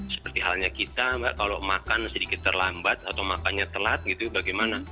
seperti halnya kita mbak kalau makan sedikit terlambat atau makannya telat gitu bagaimana